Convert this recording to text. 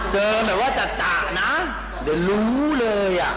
เจอแบบว่าจัดจักรนะเดี๋ยวรู้เลย